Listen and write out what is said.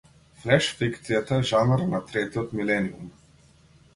Флеш фикцијата е жанр на третиот милениум.